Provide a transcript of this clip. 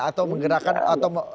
atau menggerakkan atau